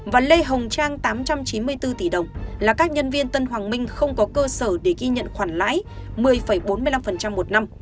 và lê hồng trang tám trăm chín mươi bốn tỷ đồng là các nhân viên tân hoàng minh không có cơ sở để ghi nhận khoản lãi một mươi bốn mươi năm một năm